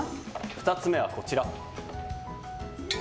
２つ目は、こちら。